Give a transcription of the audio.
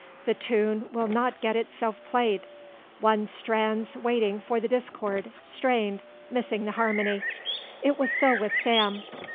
The tune will not get itself played. One stands waiting for the discord, strained, missing the harmony. It was so with Sam.